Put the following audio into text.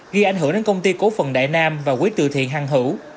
gây ảnh hưởng đến công ty cố phần đại nam và quý tự thiện hàng hữu